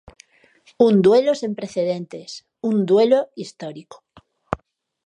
Un duelo sen precedentes, un duelo histórico.